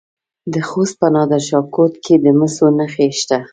د خوست په نادر شاه کوټ کې د مسو نښې شته.